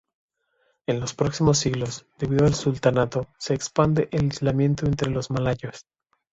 En los próximos siglos, debido al sultanato se expande el islamismo entre los malayos.